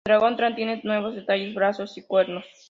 El dragón Tran tiene nuevos detalles: brazos y cuernos.